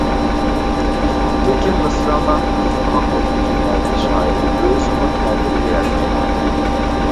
لېكىن مىسرالاردا تىزىلغان ئوي-پىكىرلەرگە شائىر ئۆزىمۇ تەبىر بېرەلمەيدۇ.